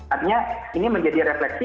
artinya ini menjadi refleksi